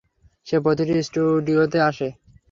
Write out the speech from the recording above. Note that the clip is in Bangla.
সে প্রতিটি স্টুডিওতেই আসে।